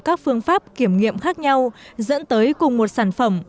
các phương pháp kiểm nghiệm khác nhau dẫn tới cùng một sản phẩm